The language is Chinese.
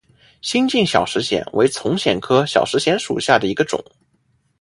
新进小石藓为丛藓科小石藓属下的一个种。